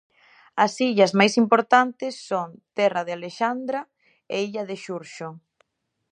As illas máis importantes son Terra de Alexandra e illa de Xurxo.